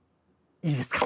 いいですか？